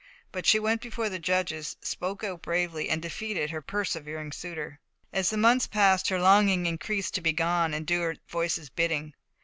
But she went before the judges, spoke out bravely, and defeated her persevering suitor. As the months passed, her longing increased to be gone and do her voices' bidding.